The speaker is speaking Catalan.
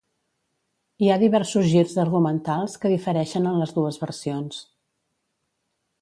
Hi ha diversos girs argumentals que difereixen en les dues versions.